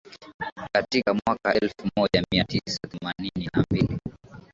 Katika mwaka wa elfu moja mia tisa themanini na mbili